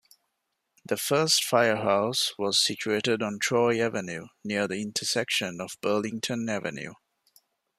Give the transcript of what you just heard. The first firehouse was situated on Troy Avenue near the intersection of Burlington Avenue.